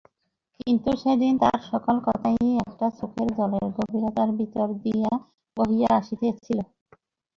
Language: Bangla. কিন্তু সেদিন তার সকল কথাই একটা চোখের জলের গভীরতার ভিতর দিয়া বহিয়া আসিতেছিল।